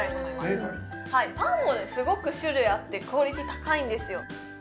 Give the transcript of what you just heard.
ベーカリーパンもすごく種類あってクオリティー高いんですよ